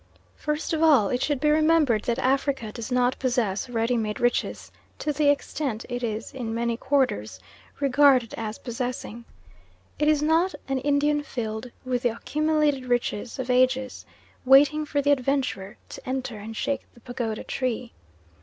First of all it should be remembered that Africa does not possess ready made riches to the extent it is in many quarters regarded as possessing. It is not an India filled with the accumulated riches of ages, waiting for the adventurer to enter and shake the pagoda tree.